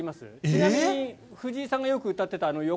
ちなみに、藤井さんがよく歌っていたよ